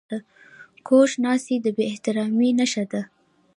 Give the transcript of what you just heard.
کوږ ناستی د بې احترامي نښه ده